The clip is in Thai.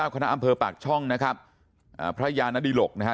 คณะอำเภอปากช่องนะครับพระยานดิหลกนะฮะ